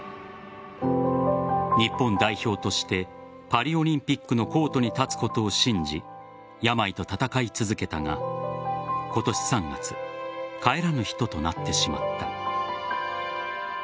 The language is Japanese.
日本代表としてパリオリンピックのコートに立つことを信じ病と闘い続けたが今年３月帰らぬ人となってしまった。